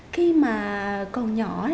khi mà còn nhỏ